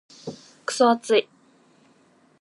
クソ暑い。